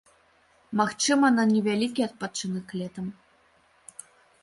Магчыма, на невялікі адпачынак летам.